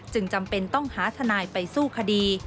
จำเป็นต้องหาทนายไปสู้คดี